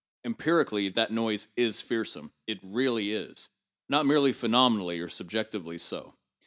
Em pirically, that noise is fearsome; it really is, not merely phenom enally or subjectively so.